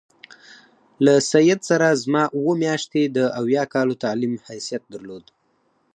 له سید سره زما اووه میاشتې د اویا کالو تعلیم حیثیت درلود.